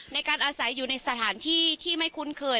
ในการอาศัยอยู่ในสถานที่ที่ไม่คุ้นเคย